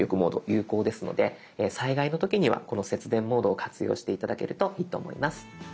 有効ですので災害の時にはこの節電モードを活用して頂けるといいと思います。